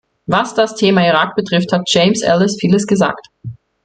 Was das Thema Irak betrifft, hat James Elles vieles gesagt.